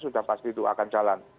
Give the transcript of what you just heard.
sudah pasti itu akan jalan